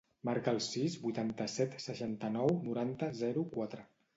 Marca el sis, vuitanta-set, seixanta-nou, noranta, zero, quatre.